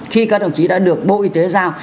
khi các đồng chí đã được bộ y tế giao